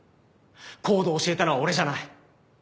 ＣＯＤＥを教えたのは俺じゃない。